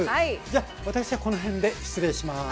じゃ私はこの辺で失礼します。